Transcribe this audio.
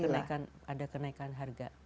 masih ada kenaikan harga